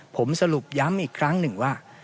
ผมสรุปย้ำอีกครั้งหนึ่งว่า